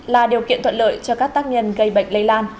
là điều kiện thuận lợi cho các tác nhân gây bệnh lây lan